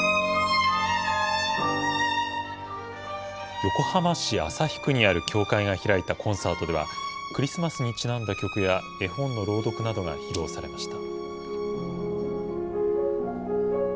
横浜市旭区にある教会が開いたコンサートでは、クリスマスにちなんだ曲や、絵本の朗読などが披露されました。